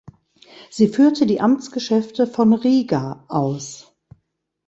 Sie führte die Amtsgeschäfte von Riga aus.